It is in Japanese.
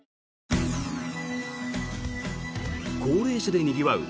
高齢者でにぎわう